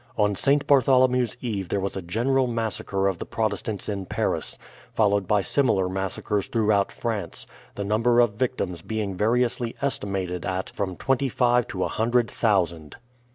On St. Bartholomew's Eve there was a general massacre of the Protestants in Paris, followed by similar massacres throughout France, the number of victims being variously estimated at from twenty five to a hundred thousand.